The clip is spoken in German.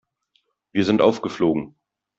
Wir sind aufgeflogen.